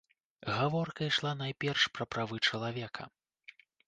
Гаворка ішла найперш пра правы чалавека.